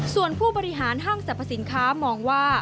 ส่วนผู้บริหารห้างสรรพสินค้ามองว่า